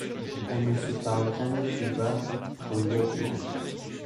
On ne se parle jamais tout bas, quand il y a du monde.